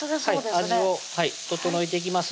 味を調えていきます